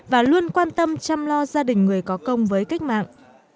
và luôn quan tâm chăm lo gia đình người có công với cách mạng